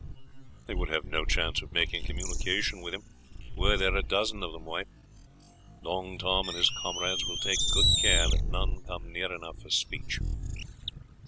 "They would have no chance of making communication with him were there a dozen of them, wife. Long Tom and his comrades will take good care that none come near enough for speech."